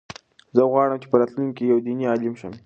زه غواړم چې په راتلونکي کې یو دیني عالم شم.